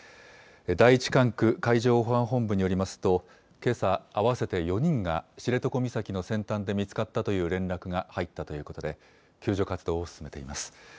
第１管区海上保安本部によりますと、けさ、合わせて４人が知床岬の先端で見つかったという連絡が入ったということで、救助活動を進めています。